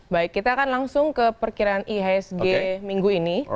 baik kita akan langsung ke perkiraan ihsg minggu ini